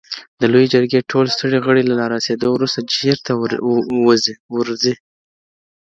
د لویې جرګي ټول ستړي غړي له رارسېدو وروسته چېرته ورځي؟